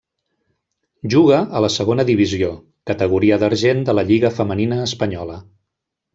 Juga a la Segona Divisió, categoria d'argent de la lliga femenina espanyola.